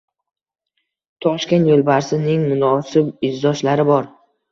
“Toshkent yo‘lbarsi”ning munosib izdoshlari bor